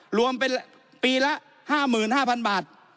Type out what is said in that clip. รวมเป็นปีละ๕๕๐๐๐บาท